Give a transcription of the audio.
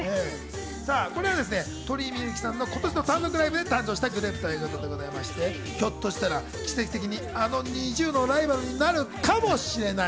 これは鳥居みゆきさんの今年の単独ライブで誕生したグループだということで、ひょっとしたら奇跡的にあのＮｉｚｉＵのライバルになるかもしれない。